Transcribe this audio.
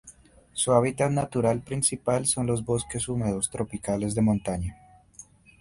Su hábitat natural principal son los bosques húmedos tropicales de montaña.